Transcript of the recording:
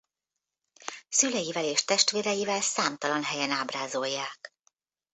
Szüleivel és testvéreivel számtalan helyen ábrázolják.